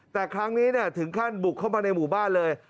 แต่ครั้งนี้ถึงขั้นบุกเข้ามาในหมู่บ้านเลย